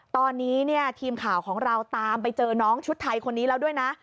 ตอนนี้เนี่ยทีมข่าวของเราตามไปเจอน้องชุดไทยคนนี้แล้วด้วยนะ